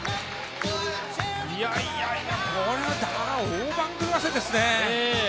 いやいや、これは大番狂わせですね。